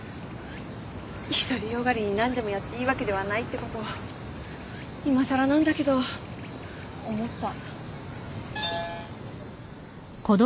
独り善がりに何でもやっていいわけではないってこといまさらなんだけど思った。